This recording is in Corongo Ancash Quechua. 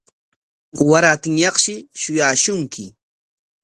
Warantinyaqshi shuyaashunki.